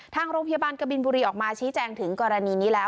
ทางโรงพยาบาลกบินบุรีออกมาชี้แจงถึงกรณีนี้แล้ว